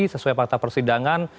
sesuai fakta persidangan